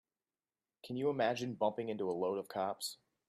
Can you imagine bumping into a load of cops?